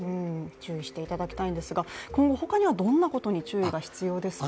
注意していただきたいんですが今後他にはどんなことに注意が必要ですか。